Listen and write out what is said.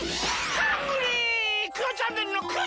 ハングリー！